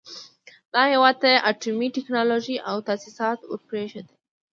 دغه هېواد ته يې اټومي ټکنالوژۍ او تاسيسات ور پرېښول.